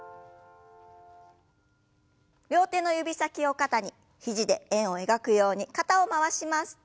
両手の指先を肩に肘で円を描くように肩を回します。